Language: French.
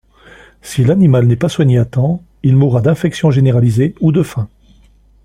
Si l'animal n'est pas soigné à temps il mourra d'infection généralisée ou de faim.